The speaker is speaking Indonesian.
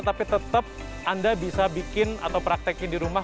tapi tetap anda bisa bikin atau praktekin di rumah